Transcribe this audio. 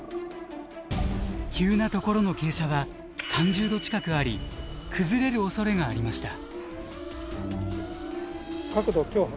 急な所の傾斜は３０度近くあり崩れるおそれがありました。